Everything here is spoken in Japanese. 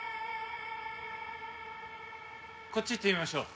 こっち行ってみましょう。